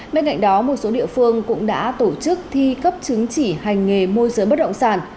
bên cạnh đó một số địa phương cũng đã tổ chức thi cấp chứng chỉ hành nghề môi giới bất động sản